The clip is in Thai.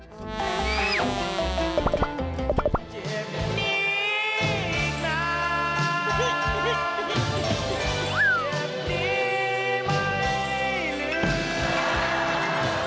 เจ็บนี้อีกน้ำ